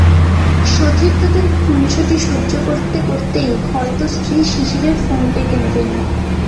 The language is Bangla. সতীর্থদের খুনসুটি সহ্য করতে করতেই হয়তো স্ত্রী শিশিরের ফোন পেতেন তিনি।